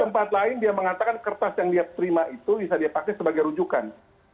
di tempat lain dia mengatakan kertas yang dia terima itu bisa dia pakai sebagai rujukan